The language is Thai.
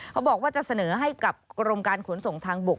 เขาบอกว่าจะเสนอให้กับกรมการขนส่งทางบก